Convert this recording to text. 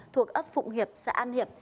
thuộc ấp phụng hiệp xã an hiệp